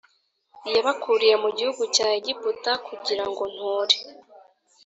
Yabakuriye mu gihugu cya egiputa kugira ngo nture